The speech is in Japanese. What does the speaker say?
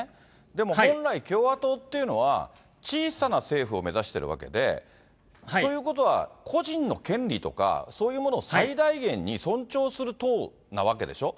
でも、本来、共和党っていうのは、小さな政府を目指しているわけで、ということは、個人の権利とか、そういうものを最大限に尊重する党なわけでしょ。